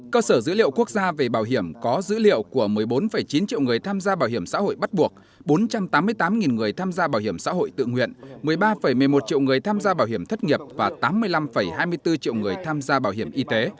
cơ sở dữ liệu quốc gia về bảo hiểm có dữ liệu của một mươi bốn chín triệu người tham gia bảo hiểm xã hội bắt buộc bốn trăm tám mươi tám người tham gia bảo hiểm xã hội tự nguyện một mươi ba một mươi một triệu người tham gia bảo hiểm thất nghiệp và tám mươi năm hai mươi bốn triệu người tham gia bảo hiểm y tế